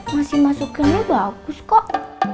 masih masukinnya bagus kok